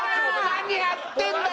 何やってんだよ！